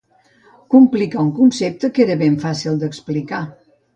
Complicar un concepte que era ben fàcil d'explicar.